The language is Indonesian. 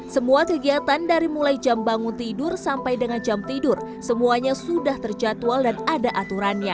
semua kegiatan dari mulai jam bangun tidur sampai dengan jam tidur semuanya sudah terjatual dan ada aturannya